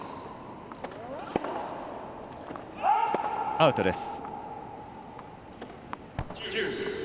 アウトです。